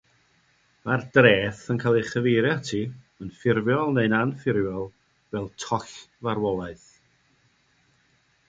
Mae'r dreth yn cael ei chyfeirio ati, yn ffurfiol neu'n anffurfiol fel “toll farwolaeth”.